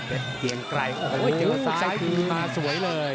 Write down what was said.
เกียงไกรโอ้โหเจอซ้ายคืนมาสวยเลย